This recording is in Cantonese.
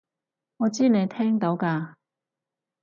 我知你聽到㗎